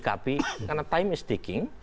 saya berlagak dengan jumlah pasangan saya